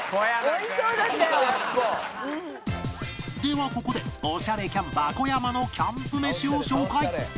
ではここでおしゃれキャンパー小山のキャンプ飯を紹介